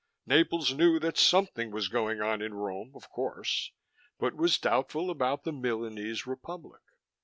Naples knew that something was going on in Rome, of course, but was doubtful about the Milanese Republic.